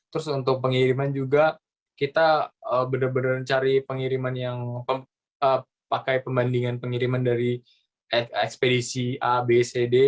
terus untuk pengiriman juga kita benar benar cari pengiriman yang pakai pembandingan pengiriman dari ekspedisi a b c d